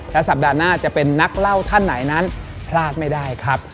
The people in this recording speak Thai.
และสัปดาห์หน้าจะเป็นนักเล่าท่านไหนนั้นพลาดไม่ได้ครับ